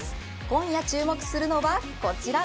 今夜注目するのはこちら。